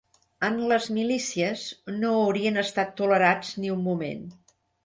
En les milícies, no haurien estat tolerats ni un moment.